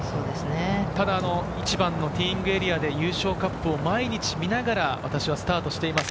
ただ１番のティーイングエリアで優勝カップを毎日見ながら私はスタートしています。